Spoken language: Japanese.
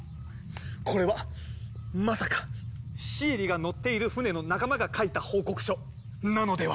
これはまさかシエリが乗っている船の仲間が書いた報告書なのでは？